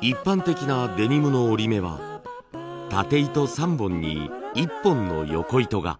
一般的なデニムの織り目はタテ糸３本に１本のヨコ糸が。